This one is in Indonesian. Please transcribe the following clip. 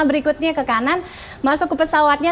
berikutnya ke kanan masuk ke pesawatnya